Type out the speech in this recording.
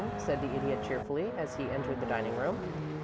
said the Idiot, cheerfully, as he entered the dining room.